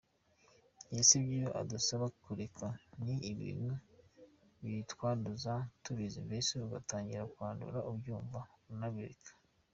Yesu ibyo adusaba kureka ni ibintu bitwanduza tubizi; mbese ugatangira kwandura ubyumva, unabireba.